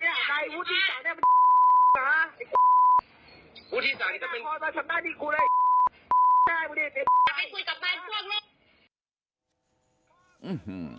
หื้อหือ